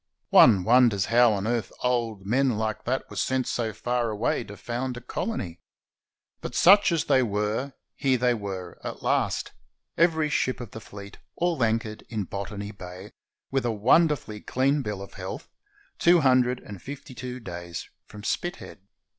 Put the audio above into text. One wonders how on earth old men like that were sent so far away to found a colony. But such as they were, here they are at last, every ship of the fleet all anchored in Botany Bay, with a wonderfully clean bill of health, two hundred and fifty two days from Spithead.